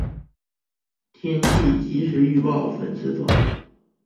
天气即时预报粉丝团